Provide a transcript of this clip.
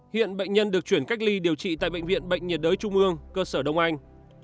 hiện bệnh nhân được chuyển cách ly điều trị tại bệnh viện bệnh nhiệt đới trung ương cơ sở đông anh